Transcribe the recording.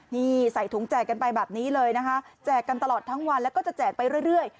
นี่ใส่ถุงแจกกันไปแบบนี้เลยนะคะแจกกันตลอดทั้งวันแล้วก็จะแจกไปเรื่อย